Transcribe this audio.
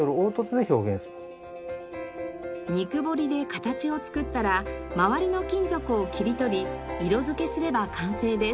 肉彫りで形を作ったらまわりの金属を切り取り色付けすれば完成です。